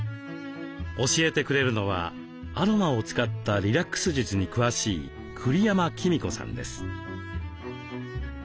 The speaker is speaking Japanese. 教えてくれるのはアロマを使ったリラックス術に詳しい栗山貴美子さんです。